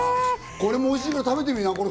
これもおいしいから食べてみな。